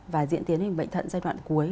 và diễn tiến đến bệnh thận giai đoạn cuối